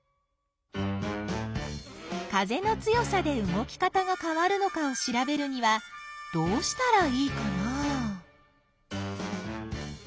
風の強さで動き方がかわるのかをしらべるにはどうしたらいいかな？